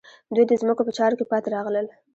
دوی د ځمکو په چارو کې پاتې راغلل.